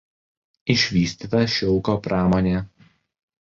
Išvystyta šilko pramonė.